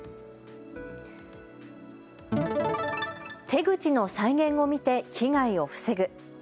手口の再現を見て被害を防ぐ。